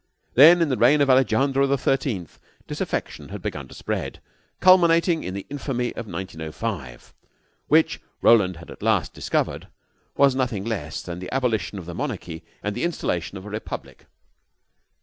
Then, in the reign of Alejandro the Thirteenth, disaffection had begun to spread, culminating in the Infamy of 1905, which, Roland had at last discovered, was nothing less than the abolition of the monarchy and the installation of a republic.